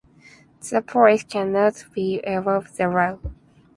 The police cannot be above the law.